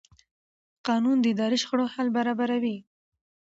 قانون د اداري شخړو حل برابروي.